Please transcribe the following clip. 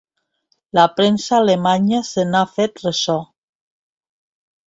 La premsa alemanya se n’ha fet ressò.